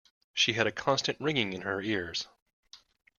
She had a constant ringing in her ears.